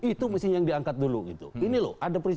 itu yang diangkat dulu